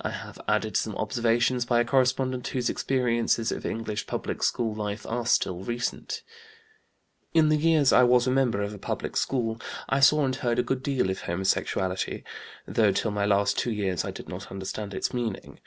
I have added some observations by a correspondent whose experiences of English public school life are still recent: "In the years I was a member of a public school, I saw and heard a good deal of homosexuality, though till my last two years I did not understand its meaning.